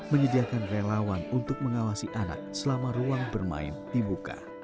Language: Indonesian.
menyediakan relawan untuk mengawasi anak selama ruang bermain dibuka